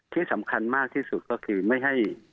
ที่สำคัญมากที่สุดก็คือไม่ให้